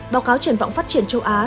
báo cáo triển vọng phát triển châu á